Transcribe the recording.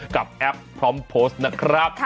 แอปพร้อมโพสต์นะครับ